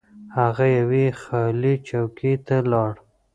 هغه یوې خالي چوکۍ ته لاړ.